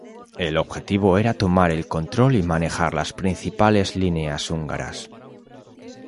El objetivo era tomar el control y manejar las principales líneas húngaras.